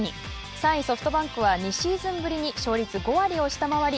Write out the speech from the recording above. ３位ソフトバンクは２シーズンぶりに勝率５割を下回り